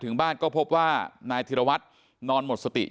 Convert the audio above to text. แล้วก็ช่วยกันนำนายธีรวรรษส่งโรงพยาบาล